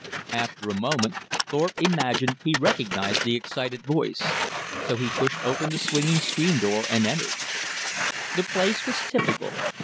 After a moment Thorpe imagined he recognized the excited voice. So he pushed open the swinging screen door and entered. The place was typical.